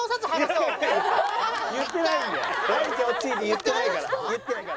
言ってないから。